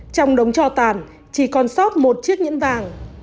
trong đống cho tàn chỉ còn sót một chiếc nhẫn vàng